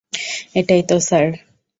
এটাই তো, স্যার।